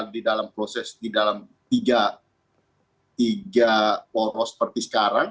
di dalam proses di dalam tiga poros seperti sekarang